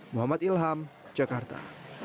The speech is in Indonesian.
muhammad ilham jakarta